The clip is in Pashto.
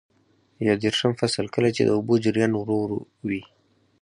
یو دېرشم فصل: کله چې د اوبو جریان ورو وي.